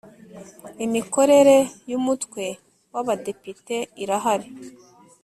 Imikorere y ‘Umutwe w ‘Abadepite irahari.